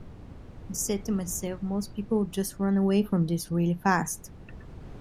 I said to myself, most people would just run away from this really fast.